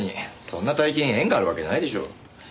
そんな大金縁があるわけないでしょ。